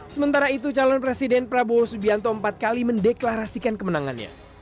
sementara itu calon presiden prabowo subianto empat kali mendeklarasikan kemenangannya